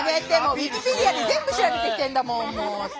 ウィキペディアで全部調べてきてんだもん。